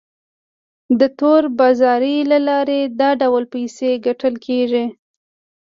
د تور بازارۍ له لارې دا ډول پیسې ګټل کیږي.